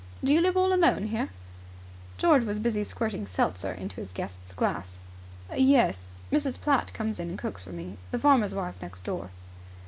Do you live all alone here?" George was busy squirting seltzer into his guest's glass. "Yes. Mrs. Platt comes in and cooks for me. The farmer's wife next door."